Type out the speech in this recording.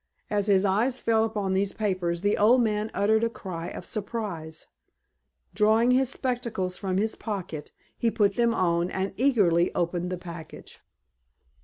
As his eyes fell upon these papers the old man uttered a cry of surprise. Drawing his spectacles from his pocket, he put them on, and eagerly opened the package.